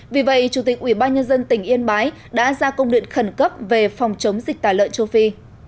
vì vậy chủ tịch ubnd tỉnh yên bái đã ra công điện khẩn cấp về phòng chống dịch tả lợn châu phi